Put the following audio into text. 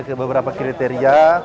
ke beberapa kriteria